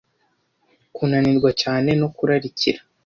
Kunanirwa cyane no kurarikira